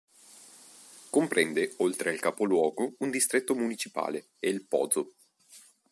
Comprende, oltre al capoluogo, un distretto municipale: El Pozo.